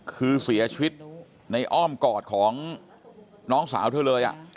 คือเสียชีวิตในอ้อมกอดของน้องสาวเธอเลย